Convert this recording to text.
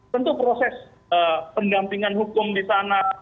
tentu proses pendampingan hukum di sana